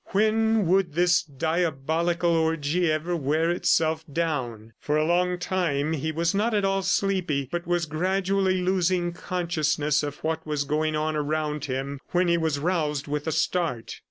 When would this diabolical orgy ever wear itself down? ... For a long time he was not at all sleepy, but was gradually losing consciousness of what was going on around him when he was roused with a start.